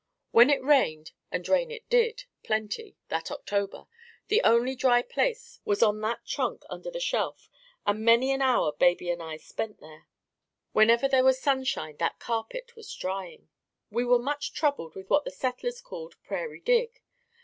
When it rained, and rain it did, plenty, that October, the only dry place was on that trunk under the shelf and many an hour baby and I spent there. Whenever there was sunshine that carpet was drying. We were much troubled with what the settlers called "prairie dig."